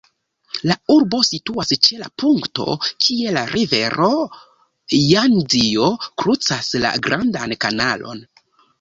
La urbo situas ĉe la punkto kie la rivero Jangzio krucas la Grandan Kanalon.